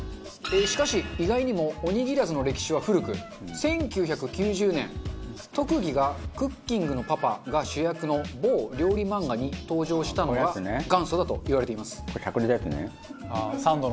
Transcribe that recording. しかし意外にもおにぎらずの歴史は古く１９９０年特技がクッキングのパパが主役の某料理マンガに登場したのが元祖だと言われています。